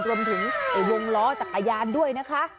รวมถึงวงล้อจักรยานด้วยนะคะ